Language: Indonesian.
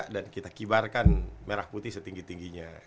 dan kita kibarkan merah putih setinggi tingginya